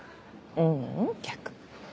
ううん逆。